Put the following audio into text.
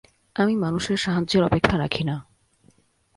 আমি মানুষের সাহায্যের অপেক্ষা রাখি না।